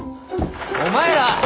お前ら！